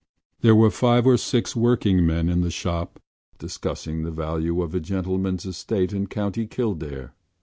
There were five or six workingmen in the shop discussing the value of a gentleman’s estate in County Kildare.